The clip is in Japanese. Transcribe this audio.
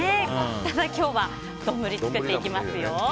ただ今日は丼を作っていきますよ。